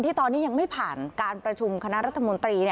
ตอนนี้ยังไม่ผ่านการประชุมคณะรัฐมนตรี